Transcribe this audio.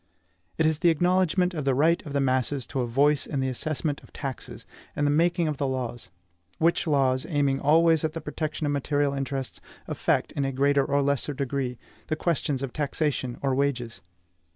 It is the acknowledgment of the right of the masses to a voice in the assessment of taxes, and the making of the laws; which laws, aiming always at the protection of material interests, affect, in a greater or less degree, all questions of taxation or wages.